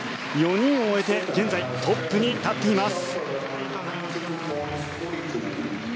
４人を終えて現在トップに立っています。